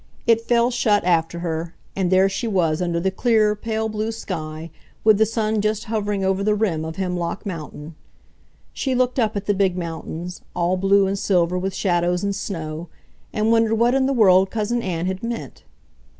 It fell shut after her, and there she was under the clear, pale blue sky, with the sun just hovering over the rim of Hemlock Mountain. She looked up at the big mountains, all blue and silver with shadows and snow, and wondered what in the world Cousin Ann had meant.